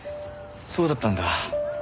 そうだったんだ。